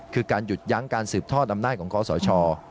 คือการหยุดยั้งการสืบทอดอำนาจของคอสช